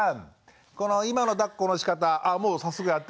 この今のだっこのしかたあっ